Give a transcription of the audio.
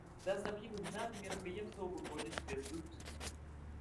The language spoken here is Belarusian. Да асаблівых дат і мерапрыемстваў выходзяць спецвыпускі.